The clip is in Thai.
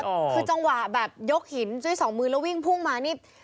คือจังหวะแบบยกหินด้วยสองมือแล้ววิ่งพุ่งมานี่